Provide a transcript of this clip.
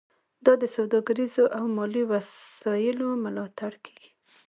دا د سوداګریزو او مالي وسایلو ملاتړ کیږي